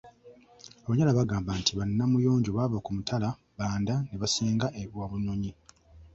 Abanyala bagamba nti ba Namuyonjo baava ku mutala Bbanda ne basenga e Wabunyonyi.